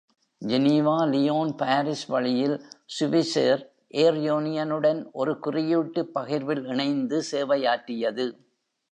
Geneva-Lyon-Paris வழியில் சுவிஸேர், ஏர் யூனியனுடன் ஒரு குறியீட்டுபகிர்வில் இணைந்து சேவையாற்றியது.